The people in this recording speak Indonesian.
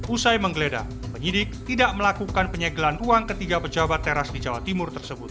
usai menggeledah penyidik tidak melakukan penyegelan uang ketiga pejabat teras di jawa timur tersebut